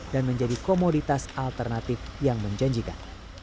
dan menjadi komoditas alternatif yang menjanjikan